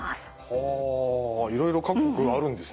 はあいろいろ各国あるんですね。